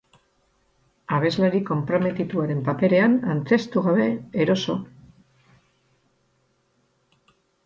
Abeslari konprometituaren paperean antzeztu gabe, eroso.